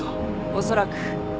おそらく。